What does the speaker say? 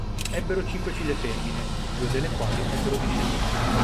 Ebbero cinque figlie femmine, due delle quali ebbero discendenza.